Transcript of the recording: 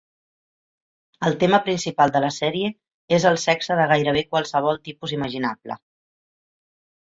El tema principal de la sèrie és el sexe de gairebé qualsevol tipus imaginable.